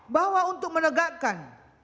bahwa untuk menegakkan